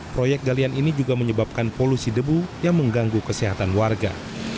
proyek galian ini juga menyebabkan polusi debu yang mengganggu kesehatan warga